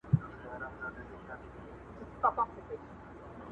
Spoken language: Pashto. عارف سلطان